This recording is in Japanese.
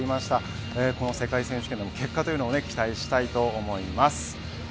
この世界選手権の結果を期待したいと思います。